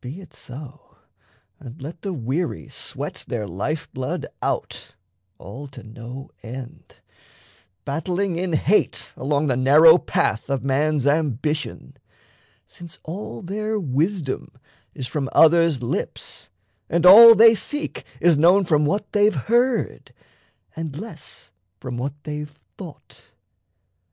Be it so; And let the weary sweat their life blood out All to no end, battling in hate along The narrow path of man's ambition; Since all their wisdom is from others' lips, And all they seek is known from what they've heard And less from what they've thought.